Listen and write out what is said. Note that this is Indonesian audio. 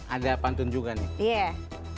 ada pantun juga nih